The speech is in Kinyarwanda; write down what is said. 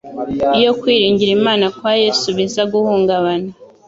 Iyo kwiringira Imana kwa Yesu biza guhungabana,